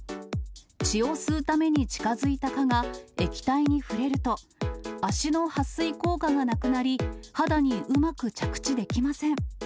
血を吸うために近づいた蚊が液体に触れると、足のはっ水効果がなくなり、肌にうまく着地できません。